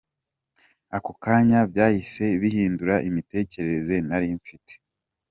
Ako kanya byahise bihindura imitekerereza nari mfite.